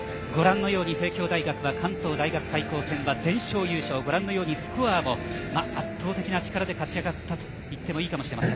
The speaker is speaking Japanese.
帝京大学は関東大学対抗戦は全勝優勝スコアも圧倒的な力で勝ち上がったといってもいいかもしれません。